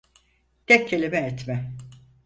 Tek kelime etme!